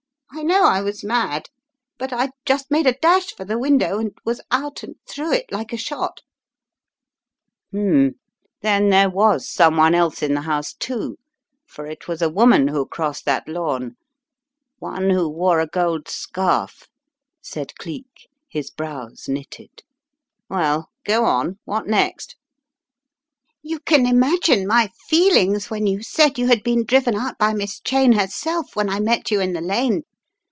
I know I was mad, but I just made a dash for the window and was out and through it like a shot!" "H'mn — then there was someone else in the house, too, for it was a woman who crossed that 246 The Riddle of the Purple Emperor lawn, one who wore a gold scarf/' said Cleek, his brows knitted. "Well, go on, what next?" "You can imagine my feelings when you said you had been driven out by Miss Cheyne herself when I met you in the lane.